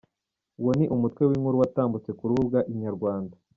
Uwo ni umutwe w’inkuru yatambutse ku rubuga Inyarwanda.